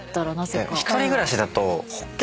１人暮らしだと。